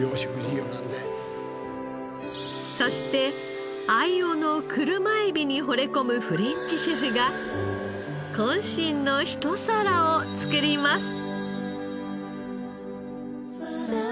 そして秋穂の車エビにほれ込むフレンチシェフが渾身のひと皿を作ります。